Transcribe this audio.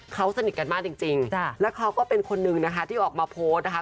เขาสนิทกันมากจริงแล้วเขาก็เป็นคนนึงนะคะที่ออกมาโพสต์นะคะ